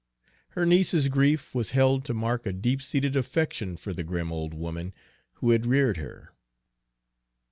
Her niece's grief was held to mark a deep seated affection for the grim old woman who had reared her.